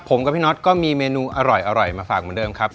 ผมกับพี่น็อตก็มีเมนูอร่อยมาฝากเหมือนเดิมครับ